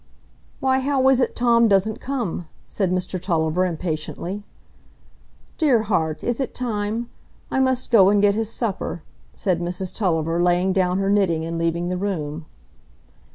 "Why, how is it Tom doesn't come?" said Mr Tulliver, impatiently. "Dear heart! is it time? I must go and get his supper," said Mrs Tulliver, laying down her knitting, and leaving the room.